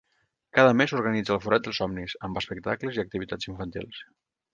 Cada mes organitza el Forat dels Somnis, amb espectacles i activitats infantils.